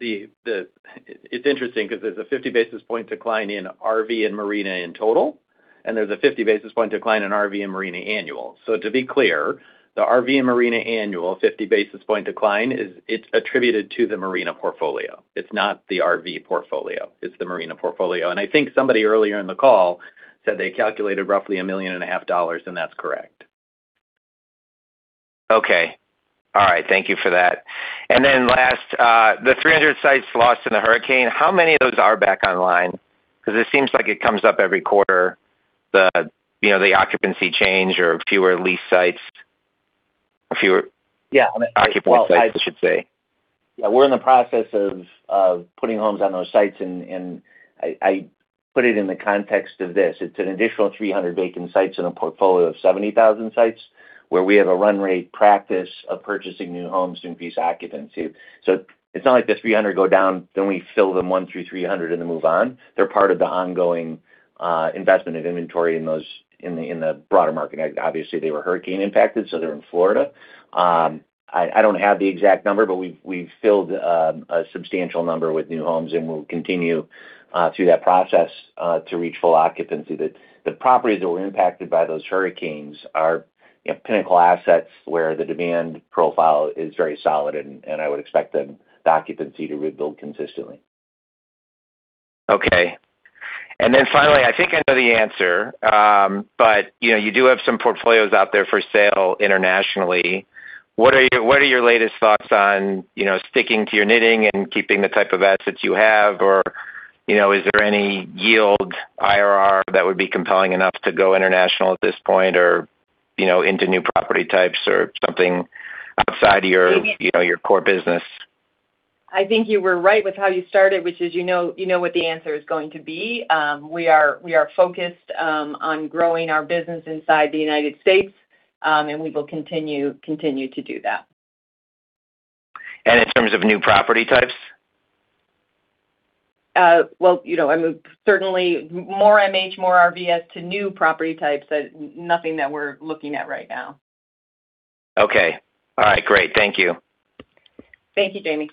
it's interesting because there's a 50 basis points decline in RV and marina in total, and there's a 50 basis points decline in RV and marina annual. To be clear, the RV and marina annual 50 basis points decline, it's attributed to the marina portfolio. It's not the RV portfolio, it's the marina portfolio. I think somebody earlier in the call said they calculated roughly $1.5 million, and that's correct. Okay. All right. Thank you for that. Last, the 300 sites lost in the hurricane, how many of those are back online? Because it seems like it comes up every quarter, the occupancy change or fewer leased sites. Yeah. Occupied sites, I should say. Yeah. We're in the process of putting homes on those sites, and I put it in the context of this, it's an additional 300 vacant sites in a portfolio of 70,000 sites where we have a run rate practice of purchasing new homes to increase occupancy. It's not like the 300 go down, then we fill them 1 through 300 and then move on. They're part of the ongoing investment of inventory in the broader market. Obviously, they were hurricane impacted, so they're in Florida. I don't have the exact number, but we've filled a substantial number with new homes, and we'll continue through that process to reach full occupancy. The properties that were impacted by those hurricanes are pinnacle assets where the demand profile is very solid, and I would expect the occupancy to rebuild consistently. Okay. Finally, I think I know the answer, but you do have some portfolios out there for sale internationally. What are your latest thoughts on sticking to your knitting and keeping the type of assets you have? Or is there any yield IRR that would be compelling enough to go international at this point or into new property types or something outside of your core business? I think you were right with how you started, which is you know what the answer is going to be. We are focused on growing our business inside the United States, and we will continue to do that. In terms of new property types? Well, certainly more MH, more RVs to new property types, nothing that we're looking at right now. Okay. All right. Great. Thank you. Thank you, Jamie.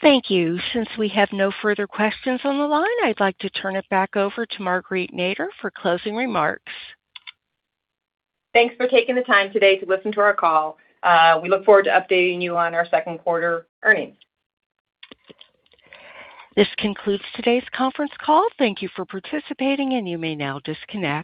Thank you. Since we have no further questions on the line, I'd like to turn it back over to Marguerite Nader for closing remarks. Thanks for taking the time today to listen to our call. We look forward to updating you on our second quarter earnings. This concludes today's conference call. Thank you for participating, and you may now disconnect.